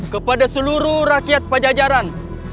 kepada seluruh rakyat pajajaran